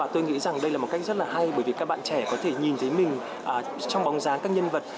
tôi nghĩ rằng đây là một cách rất là hay bởi vì các bạn trẻ có thể nhìn thấy mình trong bóng dáng các nhân vật